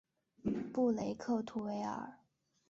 布雷克图维尔。